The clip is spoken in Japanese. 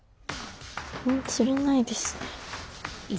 釣れないですね。